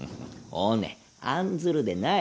おね案ずるでない。